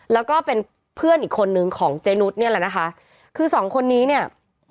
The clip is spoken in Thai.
แล้วก็เป็นเพื่อนอีกคนนึงของเจนุสเนี่ยแหละนะคะคือสองคนนี้เนี่ย